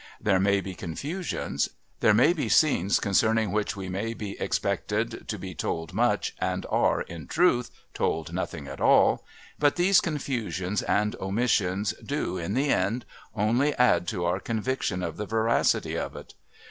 There may be confusions, there may be scenes concerning which we may be expected to be told much and are, in truth, told nothing at all, but these confusions and omissions do, in the end, only add to our conviction of the veracity of it.